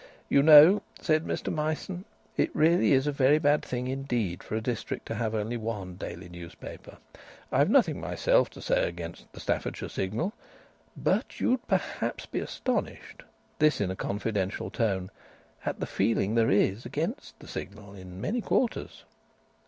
"You know," said Mr Myson, "it's really a very bad thing indeed for a district to have only one daily newspaper. I've nothing myself to say against The Staffordshire Signal, but you'd perhaps be astonished" this in a confidential tone "at the feeling there is against the Signal in many quarters."